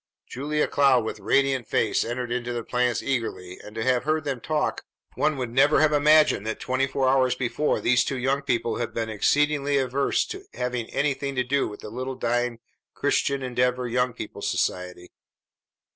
Julia Cloud with radiant face entered into the plans eagerly, and to have heard them talk one would never have imagined that twenty four hours before these two young people had been exceedingly averse to having anything to do with that little dying Christian Endeavor Young People's Society.